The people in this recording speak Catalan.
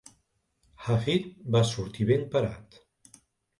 Hafid va sortir ben parat.